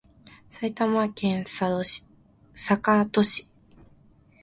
埼玉県坂戸市